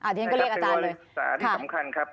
ใช่ครับเป็นวัยศึกษาที่สำคัญครับ